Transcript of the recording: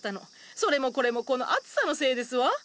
それもこれもこの暑さのせいですわ！